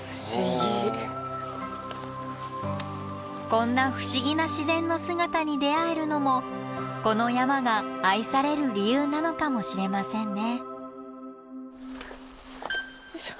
こんな不思議な自然の姿に出会えるのもこの山が愛される理由なのかもしれませんね。